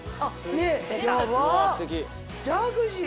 ジャグジー！